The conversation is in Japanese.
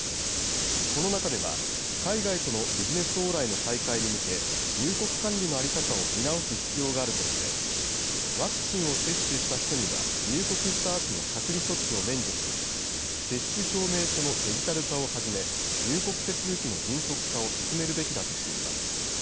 この中では、海外とのビジネス往来の再開に向け、入国管理の在り方を見直す必要があるとして、ワクチンを接種した人には、入国したあとも隔離措置を免除し、接種証明書のデジタル化をはじめ、入国手続きの迅速化を進めるべきだとしています。